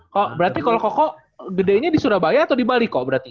berarti kalau koko gedenya di surabaya atau di bali kok berarti